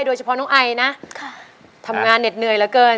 โดยเฉพาะน้องไอนะทำงานเหน็ดเหนื่อยเหลือเกิน